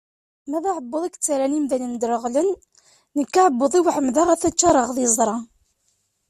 Ma d aɛebbuḍ i yettarran imdanen dreɣlen, nekk aɛebbuḍ-iw ɛemdeɣ ad t-ččareɣ d iẓra.